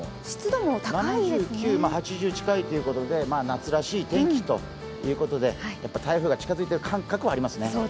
７９も８０近いということで夏らしい天気ということでやっぱり台風が近づいている感覚はありますね。